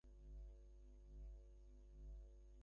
যাহা বলিতেছিলেন তার খেই হারাইয়া গেল।